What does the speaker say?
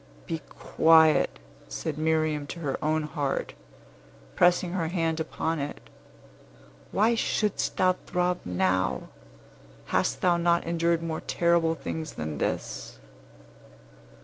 "Be quiet," said Miriam to her own heart, pressing her hand hard upon it. "Why shouldst thou throb now? Hast thou not endured more terrible things than this?"